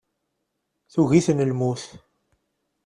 Tugi-ten lmut.